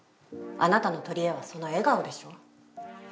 あなたの取りえはその笑顔でしょ？